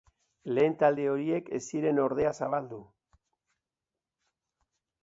Lehen talde horiek ez ziren ordea zabaldu.